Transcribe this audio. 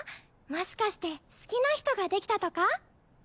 もしかして好きな人ができたとか？